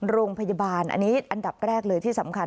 โรงพยาบาลอันนี้อันดับแรกเลยที่สำคัญ